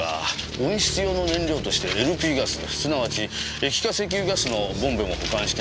温室用の燃料としてＬＰガスすなわち液化石油ガスのボンベも保管してあったそうです。